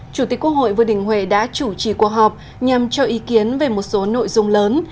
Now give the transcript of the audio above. chủ tịch quốc hội vương đình huệ đã chủ trì cuộc họp nhằm cho ý kiến về một số nội dung lớn